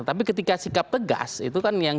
tapi ketika sikap tegas itu kan yang